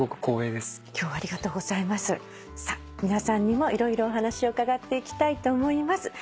さあ皆さんにも色々お話を伺っていきたいと思います。